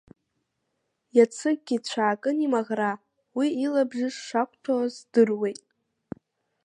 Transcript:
Иацыкгьы ицәаакын имаӷра, уи илабжыш шақәҭәауаз здыруеит…